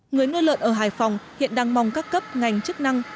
người nuôi lợn ở hải phòng hiện đang mong các cấp ngành chức năng